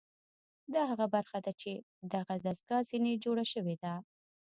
دا هغه برخه ده چې دغه دستګاه ځنې جوړه شوې ده